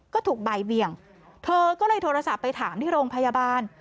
ก็ถูกบ่ายเบี่ยงเธอก็เลยโทรศัพท์ไปถามที่โรงพยาบาล